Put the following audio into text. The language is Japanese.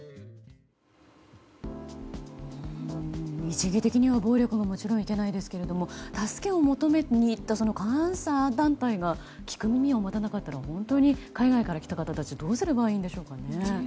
一義的には暴力はもちろんいけないですけれども助けを求めにいった監査団体が聞く耳を持たなかったのは海外から来た方たちはどうすればいいんでしょうかね。